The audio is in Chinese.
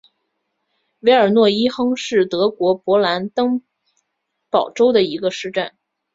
韦尔诺伊亨是德国勃兰登堡州的一个市镇。